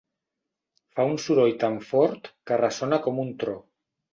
Fa un soroll tan fort que ressona com un tro.